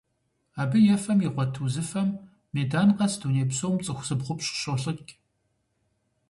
Абы ефэм игъуэт узыфэм медан къэс дуней псом цӀыху зыбгъупщӀ щолӀыкӀ.